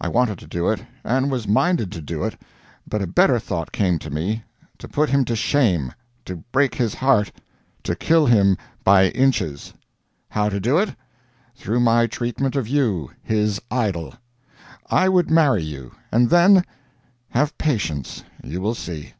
I wanted to do it, and was minded to do it, but a better thought came to me: to put him to shame; to break his heart; to kill him by inches. How to do it? Through my treatment of you, his idol! I would marry you; and then Have patience. You will see."